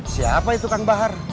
siapa itu kang bahar